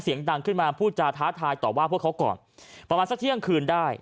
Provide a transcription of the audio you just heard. เสียงดังขึ้นมาพูดจาท้าทายต่อว่าพวกเขาก่อนประมาณสักเที่ยงคืนได้